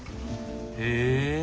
へえ。